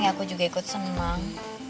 aku juga ikut senang